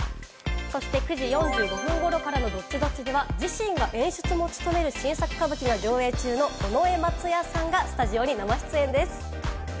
そして９時４５分頃からのＤｏｔｔｉ‐Ｄｏｔｔｉでは、自身が演出も務める新作歌舞伎が上映中の尾上松也さんがスタジオ生出演します。